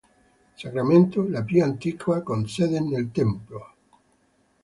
Sacramento, la più antica con sede nel tempio.